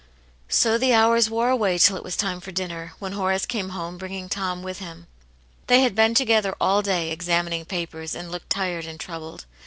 So the hours wore away till it was time for dinner, when Horace came home, bringing Tom with him. They had been together all day, examining papers, and looked tired and troubled.